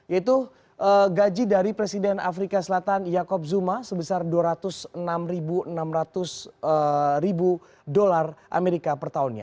yaitu gaji dari presiden afrika selatan jakob zuma sebesar dua ratus enam enam ratus ribu dolar amerika pertahunnya